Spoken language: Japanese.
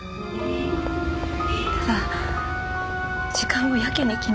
ただ時間をやけに気にしていました。